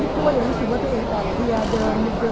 ที่กลัวอย่างนึกถึงว่าตัวเองกับเพียร์เดินได้ชัดคล้าย